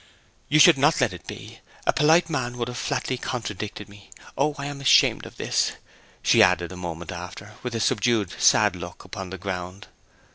'You should not let it be! A polite man would have flatly contradicted me. ... O I am ashamed of this!' she added a moment after, with a subdued, sad look upon the ground.